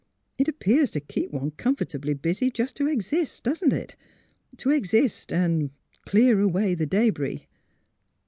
It appears to keep one comfortably busy just to exist, doesn't it? — To exist and — er — clear away the debris.